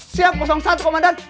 siap kosong satu komandan